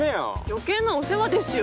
余計なお世話ですよ。